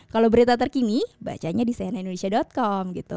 kalau berita terkini bacanya di cnnindonesia com gitu